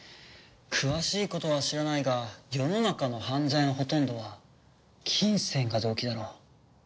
詳しいことは知らないが世の中の犯罪のほとんどは金銭が動機だろう。